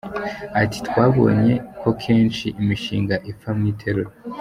Ati “Twabonye ko kenshi imishinga ipfa mu iterura.